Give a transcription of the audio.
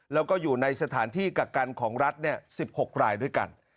แล้วก็อยู่ในสถานที่กักกันของรัฐ๑๖รายด้วยกัน